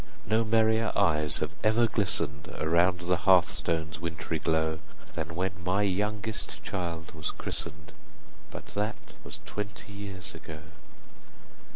No merrier eyes have ever glisten'd Around the hearth stone's wintry glow, Than when my youngest child was christen'd; But that was twenty years ago.